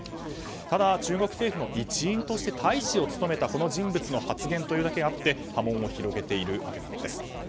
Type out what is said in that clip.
ただ、中国政府の一員として大使を務めたこの人物の発言とあって波紋を広げているわけなんです。